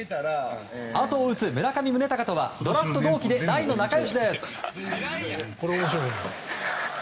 あとを打つ村上宗隆とはドラフト同期で大の仲良しです。